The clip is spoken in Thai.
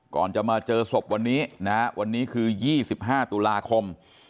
ก่อนจะมาเจอศพวันนี้นะฮะวันนี้คือ๒๕ตุลาคม